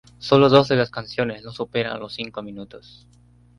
Sólo dos de las canciones no superan los cinco minutos.